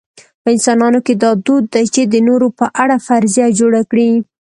په انسانانو کې دا دود دی چې د نورو په اړه فرضیه جوړه کړي.